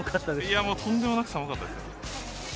いやもう、とんでもなく寒かったです。